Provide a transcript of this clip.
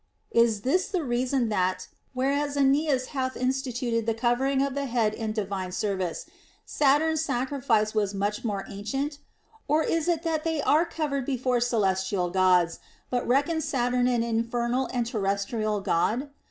Is this the reason, that, whereas Aeneas hath THE ROMAN QUESTIONS. 211 instituted the covering of the head in divine service, Sat urn's sacrifice was much more ancient] Or is it that they are covered before celestial Gods, but reckon Saturn an infernal and terrestrial God